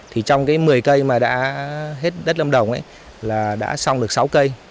thì trong cái một mươi cây mà đã hết đất lâm đồng là đã xong được sáu cây